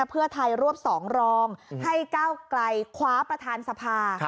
เพื่อไทยรวบ๒รองให้ก้าวไกลคว้าประธานสภา